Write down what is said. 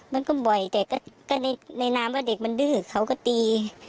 มันก็บ่อยแต่ก็ในนามว่าเด็กมันดื้อเขาก็ตี